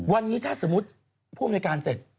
วันนี้ถ้าสมมุติผู้อำนวยการเสร็จ